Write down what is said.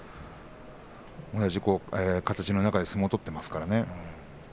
同じ形の中で相撲を取っていますからね。